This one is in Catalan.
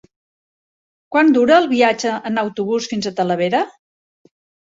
Quant dura el viatge en autobús fins a Talavera?